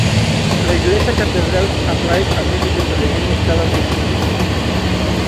La iglesia catedral atrae a miles de peregrinos cada mes.